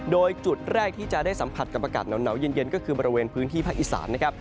โดยจุดแรกที่จะได้สัมผัสกับอากาศหนาวเย็นก็คือบริเวณพื้นที่ภาคอีสานนะครับ